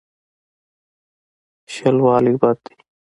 شلوالی بد دی.